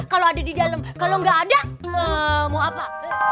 kalau ada di dalam kalau nggak ada mau apa